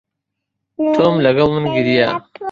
تۆم لەگەڵ من گریا.